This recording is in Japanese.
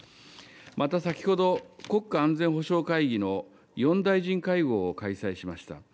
また先ほど、国家安全保障会議の４大臣会合を開催しました。